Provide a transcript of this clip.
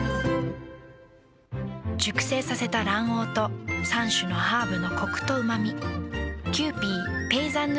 熟成させた卵黄と３種のハーブのコクとうま味。